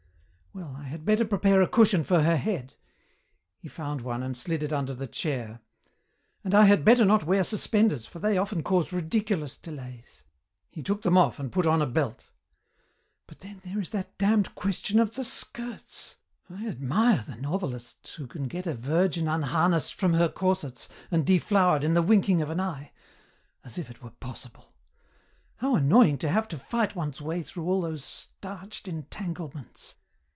"Well, I had better prepare a cushion for her head." He found one and slid it under the chair. "And I had better not wear suspenders, for they often cause ridiculous delays." He took them off and put on a belt. "But then there is that damned question of the skirts! I admire the novelists who can get a virgin unharnessed from her corsets and deflowered in the winking of an eye as if it were possible! How annoying to have to fight one's way through all those starched entanglements!